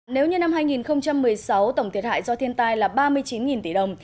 nếu như năm hai nghìn một mươi sáu tổng thiệt hại do thiên tai là ba mươi chín tỷ đồng